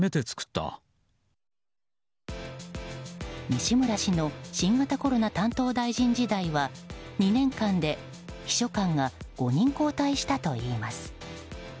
西村氏の新型コロナ担当大臣時代は２年間で秘書官が５人交代したといいます。